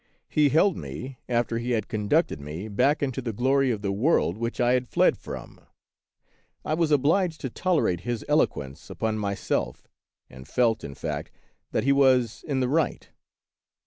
He held me, after he had conducted me back into the glory of the world which I had fled from. I was obliged to tolerate his eloquence upon my self, and felt, in fact, that he was in the right.